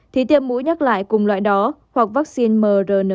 thì tiêm mũi nhắc lại cùng loại đó hoặc vaccine mrn